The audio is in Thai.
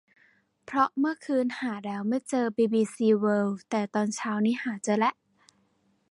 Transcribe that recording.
เพราะเมื่อคืนหาแล้วไม่เจอบีบีซีเวิลด์ แต่ตอนเช้านี่หาเจอละ